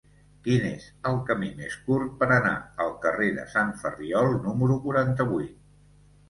Quin és el camí més curt per anar al carrer de Sant Ferriol número quaranta-vuit?